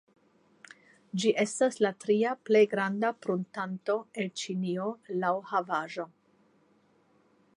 Ĝi estas la tria plej granda pruntanto el Ĉinio laŭ havaĵo.